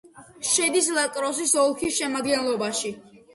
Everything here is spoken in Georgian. შედის ლა-კროსის ოლქის შემადგენლობაში.